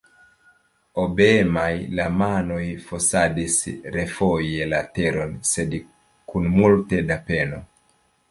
Obeemaj, la manoj fosadis refoje la teron, sed kun multe da peno.